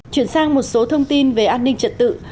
chuyển sang một số thông tin về an ninh trật tự